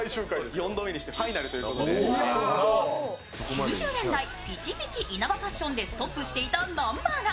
９０年代、ピチピチ稲葉ファッションでストップしていた南波アナ。